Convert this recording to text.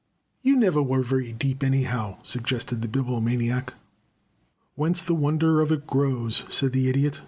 "You never were very deep, anyhow," suggested the Bibliomaniac. "Whence the wonder of it grows," said the Idiot.